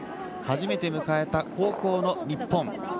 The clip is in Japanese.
初めて迎えた後攻の日本。